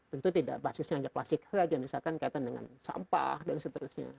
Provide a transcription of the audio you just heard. tentu tidak basisnya hanya plastik saja misalkan kaitan dengan sampah dan seterusnya